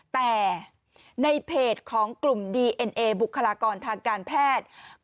แต่ในเพจของกลุ่มดีเอ็นเอบุคลากรทางการแพทย์